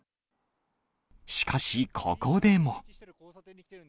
しかし、ここでも。